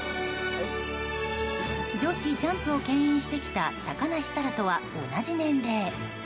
女子ジャンプを牽引してきた高梨沙羅とは同じ年齢。